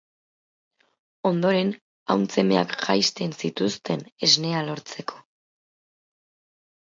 Ondoren ahuntz emeak jaisten zituzten esnea lortzeko.